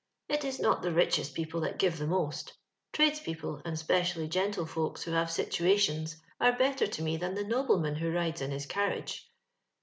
It is not the richest people that give the most Tradespeople, and 'specially gentlefolks who have sitoalions, are better to me than the nobleman who rides in his carriage.